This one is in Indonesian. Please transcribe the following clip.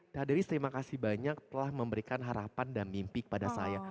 daderis terima kasih banyak telah memberikan harapan dan mimpi kepada saya